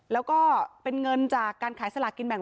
แล้วก็เป็นเงินจากการขายสลากินแบ่ง